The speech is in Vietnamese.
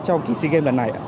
trong sea games lần này